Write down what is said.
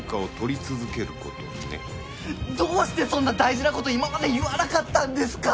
どうしてそんな大事な事今まで言わなかったんですか！？